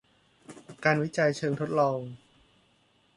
การวิจัยเชิงทดลอง